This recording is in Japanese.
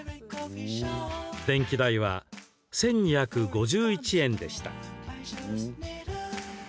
電気代は１２５１円でした。